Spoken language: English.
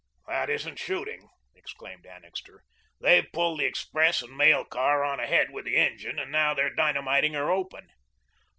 "That isn't shooting," exclaimed Annixter. "They've pulled the express and mail car on ahead with the engine and now they are dynamiting her open."